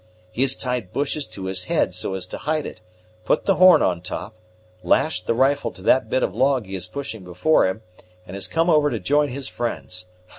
"He has tied bushes to his head, so as to hide it, put the horn on top, lashed the rifle to that bit of log he is pushing before him, and has come over to join his friends.